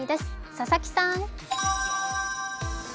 佐々木さん。